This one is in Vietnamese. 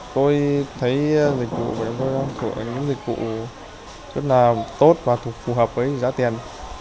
tôi thấy dịch vụ rất là tốt và phù hợp với giá tiền